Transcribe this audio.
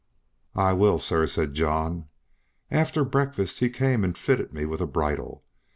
"I will, sir," said John. After breakfast he came and fitted me with a bridle.